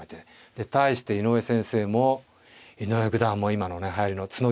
で対して井上先生も井上九段も今のねはやりのツノ